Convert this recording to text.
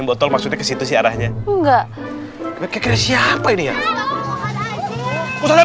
botol masuk ke situ ya steadily kira kira siapa ini ya kusoda atas